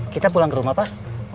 kita pulang ke rumah pak